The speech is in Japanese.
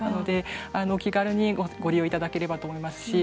お気軽にご利用いただければと思います。